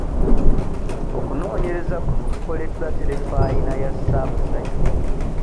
Okunoonyereza kuno kukoleddwa terefiyina ya Ssaabasajja.